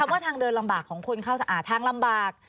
ว่าทางเดินลำบากของคนเข้าทางลำบาก